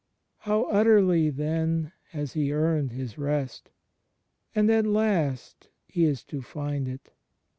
How utterly then has He earned His Rest! And at last He is to find it.